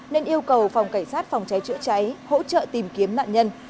nên yêu cầu phòng cảnh sát phòng cháy chữa cháy hỗ trợ tìm kiếm nạn nhân